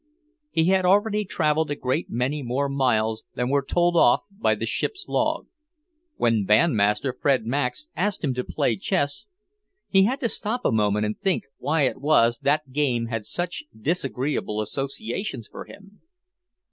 He had already travelled a great many more miles than were told off by the ship's log. When Bandmaster Fred Max asked him to play chess, he had to stop a moment and think why it was that game had such disagreeable associations for him.